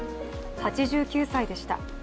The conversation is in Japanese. ８９歳でした。